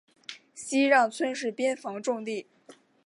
西让村是边防重地。